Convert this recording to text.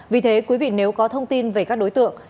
vì thế quý vị nếu có thông tin về các đối tượng